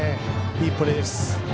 いいプレーです。